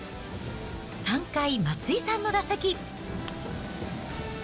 ３回、松井さんの打席。